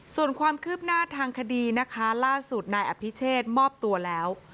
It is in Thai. ส่วนความคืบหน้าทางคดีนะคะล่าสุดนายอภิเชษมอบตัวแล้ว